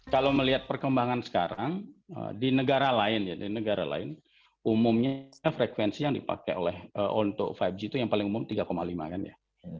kalau melihat perkembangan sekarang di negara lain ya di negara lain umumnya frekuensi yang dipakai oleh untuk lima g itu yang paling umum tiga lima kan ya